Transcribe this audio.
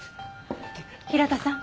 平田さん